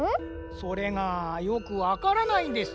それがよくわからないんです。